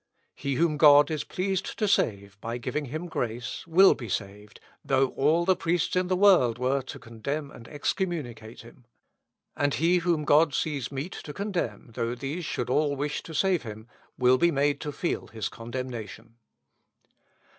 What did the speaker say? He whom God is pleased to save, by giving him grace, will be saved, though all the priests in the world were to condemn and excommunicate him. And he whom God sees meet to condemn, though these should all wish to save him, will be made to feel his condemnation.